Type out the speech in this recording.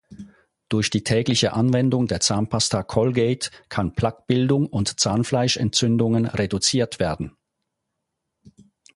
Durch die tägliche Anwendung der Zahnpasta Colgate kann plaquebildung und Zahnfleischentzündungen reduziert werden.